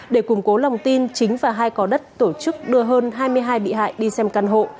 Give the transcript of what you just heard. để củng cố lòng tin chính và hai cò đất tổ chức đưa hơn hai mươi hai bị hại đi xem căn hộ